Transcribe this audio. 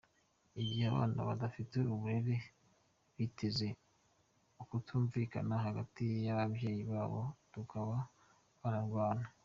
Igihe abana badafite uburere biteza ukutumvikana hagati y’ababyeyi babo bakaba banarwana.